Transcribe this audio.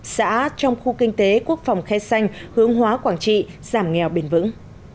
xã trong khu kinh tế quốc phòng khe xanh hướng hóa quảng trị giảm nghèo bền vững